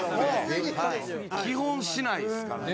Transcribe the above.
基本しないですかね。